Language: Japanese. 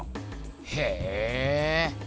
へえ。